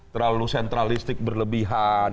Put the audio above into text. terlalu sentralistik berlebihan